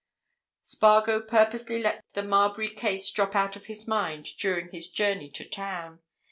Spargo purposely let the Marbury case drop out of his mind during his journey to town.